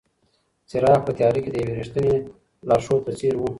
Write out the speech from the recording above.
څراغ په تیاره کې د یوې رښتینې لارښود په څېر و.